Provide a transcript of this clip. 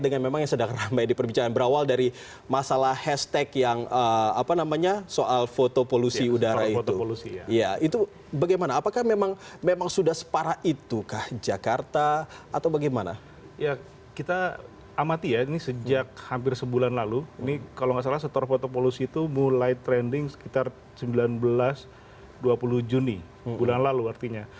amati ya ini sejak hampir sebulan lalu ini kalau nggak salah setor foto polusi itu mulai trending sekitar sembilan belas dua puluh juni bulan lalu artinya